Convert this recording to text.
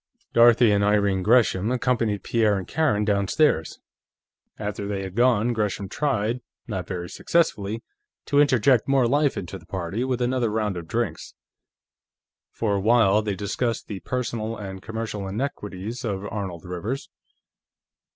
Dorothy and Irene Gresham accompanied Pierre and Karen downstairs. After they had gone, Gresham tried, not very successfully, to inject more life into the party with another round of drinks. For a while they discussed the personal and commercial iniquities of Arnold Rivers.